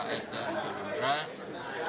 pks dan gerindra